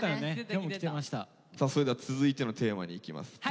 それでは続いてのテーマにいきます。